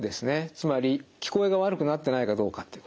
つまり聞こえが悪くなってないかどうかっていうこと。